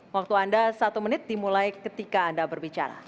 waktu anda satu menit dimulai ketika anda berbicara